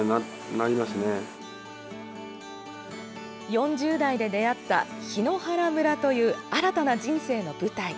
４０代で出会った檜原村という新たな人生の舞台。